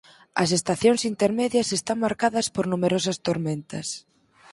As estacións intermedias están marcadas por numerosas tormentas.